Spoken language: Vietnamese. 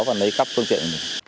và lấy cắp phương tiện